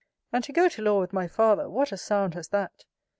And to go to law with my father, what a sound has that!